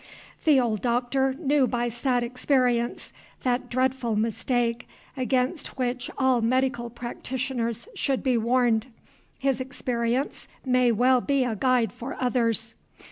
The old Doctor knew by sad experience that dreadful mistake against which all medical practitioners should be warned. His experience may well be a guide for others.